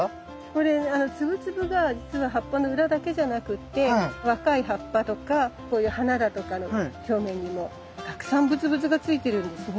これツブツブがじつは葉っぱの裏だけじゃなくって若い葉っぱとかこういう花だとかの表面にもたくさんブツブツがついてるんですね。